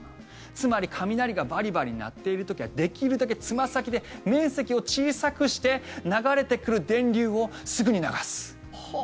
つまり雷がバリバリ鳴っている時はできるだけつま先で面積を小さくして流れてくる電流をすぐに流す。